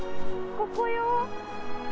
ここよ。